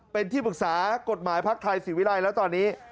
เป็นที่ปรึกษากฎหมายภักดิ์ไทยศรีวิรัยแล้วตอนนี้